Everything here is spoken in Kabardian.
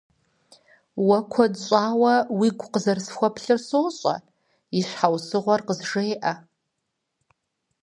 Уэ куэд щӏауэ уигу къызэрысхуэплъыр сощӏэ, и щхьэусыгъуэр къызжеӏэ.